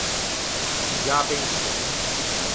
Piggiâ a penscion.